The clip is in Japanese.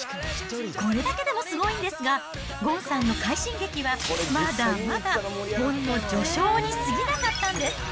これだけでもすごいんですが、ゴンさんの快進撃はまだまだほんの序章にすぎなかったんです。